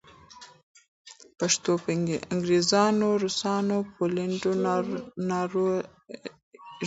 پښتو به انګریزانو، روسانو پولېنډو ناروېژو